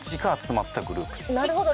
なるほど。